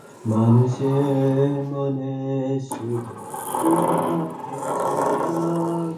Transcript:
আমি চাই, এটা উচ্চ পর্যায়ে পৌঁছাক।